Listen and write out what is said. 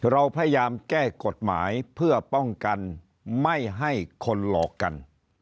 เราพยายามแก้กฎหมายเพื่อป้องกันไม่ให้คนหลอกกัน